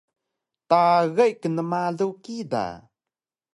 Tagay knmalu kida!